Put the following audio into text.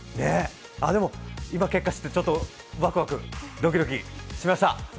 でも、今、結果知って、ちょっとワクワクドキドキしました。